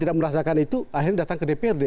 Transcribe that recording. tidak merasakan itu akhirnya datang ke dprd